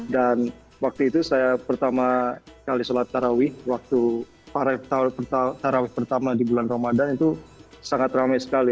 dan waktu itu saya pertama kali sholat taraweeh waktu para taraweeh pertama di bulan ramadan itu sangat ramai sekali